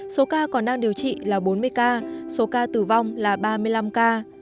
số ca còn đang điều trị là bốn mươi ca số ca tử vong là ba mươi năm ca